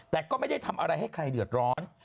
แต่ก็ไม่ได้ทำอะไรให้ใครเดือดร้อน